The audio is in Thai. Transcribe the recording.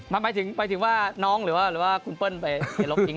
หมายถึงว่าน้องหรือว่าคุณเปิ้ลไปลบทิ้ง